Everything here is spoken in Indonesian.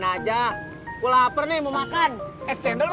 next kira kira tampak apa saat youtube ini berubah